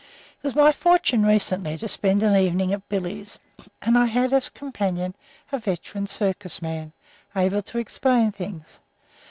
It was my fortune recently to spend an evening at "Billy's," and I had as companion a veteran circus man, able to explain things.